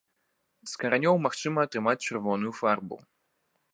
З каранёў магчыма атрымаць чырвоную фарбу.